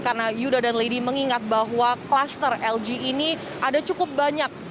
karena yuda dan lady mengingat bahwa klaster lg ini ada cukup banyak